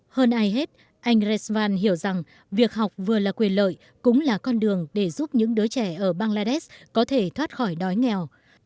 hơn ai hết anh rezvan hiểu rằng việc học vừa là quyền lợi cũng là con đường để giúp những đứa trẻ ở bangladesh có thể thoát khỏi đói nghèo